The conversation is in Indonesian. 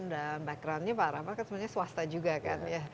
dan background nya pak rafa sebenarnya swasta juga kan